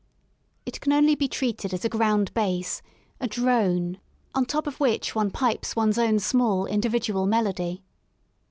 It can only be treated as a ground bass, a drone, on top of which one pipes one's own small individual melody.